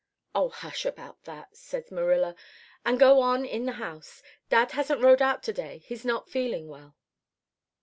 "'Oh, hush about that,' says Marilla, 'and go on in the house. Dad hasn't rode out to day. He's not feeling well.